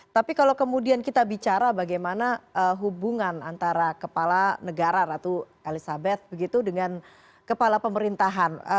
tapi kalau kemudian kita bicara bagaimana hubungan antara kepala negara ratu elizabeth begitu dengan kepala pemerintahan